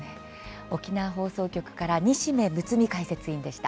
沖縄放送局から西銘むつみ解説委員でした。